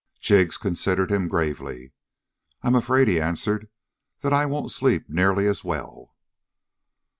Jig considered him gravely. "I'm afraid," he answered, "that I won't sleep nearly as well."